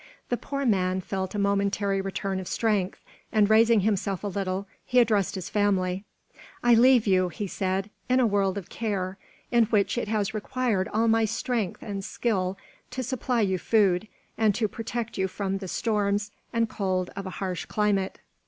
The poor man felt a momentary return of strength, and raising himself a little, he addressed his family: "I leave you," he said, "in a world of care, in which it has required all my strength and skill to supply you food, and to protect you from the storms and cold of a harsh climate."